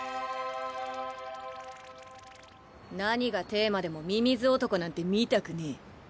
何がテーマでもミミズ男なんて見たくねぇ。